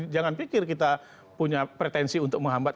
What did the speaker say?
jangan pikir kita punya pretensi untuk menghambat